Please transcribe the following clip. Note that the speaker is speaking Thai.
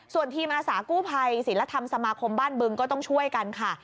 ส่วนทีมอาสากู้ภัยศิลธรรมสมาคมบ้านบึงก็ต้องช่วยกันค่ะ